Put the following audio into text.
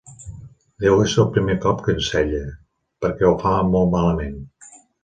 Deu ésser el primer cop que ensella, perquè ho fa molt malament.